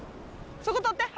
そこ取って！